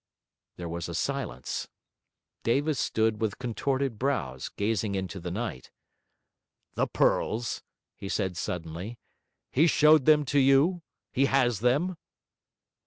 There was a silence. Davis stood with contorted brows, gazing into the night. 'The pearls?' he said suddenly. 'He showed them to you? he has them?'